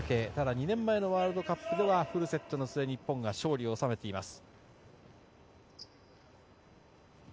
２年前のワールドカップではフルセットの末日本が勝利を収めています。